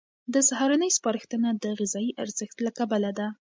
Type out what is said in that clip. د سهارنۍ سپارښتنه د غذایي ارزښت له کبله ده.